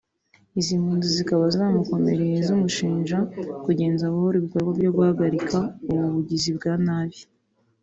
izi mpunzi zikaba zamukomereye zimushinja kugenza buhoro ibikorwa byo guhagarika ubu bugizi bwa nabi